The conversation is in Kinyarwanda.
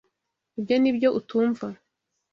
Ibyo Nibyo utumva.